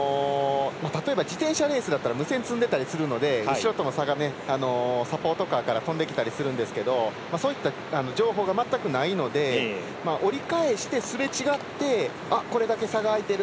例えば自転車レースだと無線積んでたりするので後ろとの差がサポートカーから飛んできたりするんですけどそういった情報が全くないので折り返してすれ違ってこれだけ差が開いている。